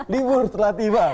libur telah tiba